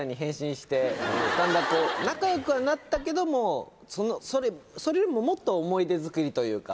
だんだん仲良くはなったけどもそれよりももっと思い出づくりというか。